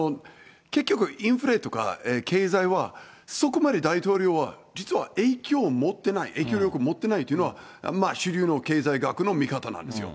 結局、インフレとか経済は、そこまで大統領は、実は影響をもってない、影響力を持ってないというのは、主流の経済学の見方なんですよ。